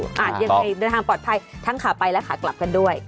ยังไงเดินทางปลอดภัยทั้งขาไปและขากลับกันด้วย